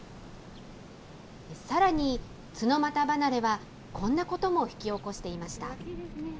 さらにツノマタ離れは、こんなことも引き起こしていました。